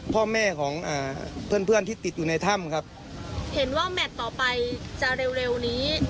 พ่อแม่ของอ่าเพื่อนเพื่อนที่ติดอยู่ในถ้ำครับเห็นว่าแมทต่อไปจะเร็วเร็วนี้